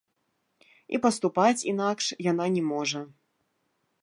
І паступаць інакш яна не можа.